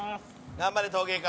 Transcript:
頑張れ、陶芸家。